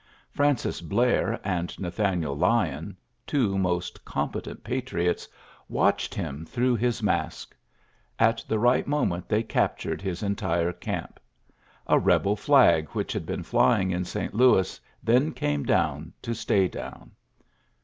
Francis Blair and Kathan Lyon, two most competent patrio watched him through his mask. At t right moment they captured his ent camp. A rebel flag which had be flying in St. Louis then came down stay down.